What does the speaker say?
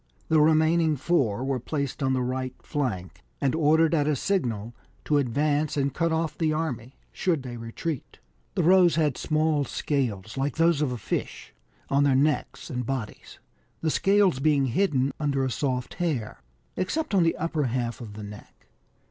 The remaining four were placed on the right flank, and ordered at a signal to advance and cut off the army, should they retreat. The Rohs had small scales, like those of a fish, on their necks and bodies, the scales being hidden under a soft hair, except on the upper half of the neck.